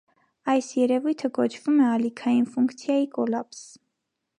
Այս երևույթը կոչվում է ալիքային ֆունկցիայի կոլապս։